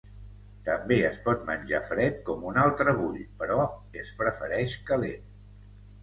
També es pot menjar fred, com un altre bull, però es prefereix calent.